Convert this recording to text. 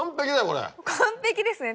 完璧ですね